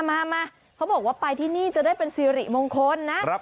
มาเขาบอกว่าไปที่นี่จะได้เป็นสิริมงคลนะ